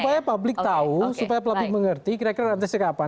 supaya publik tahu supaya pelabik mengerti kira kira nanti setiap kapan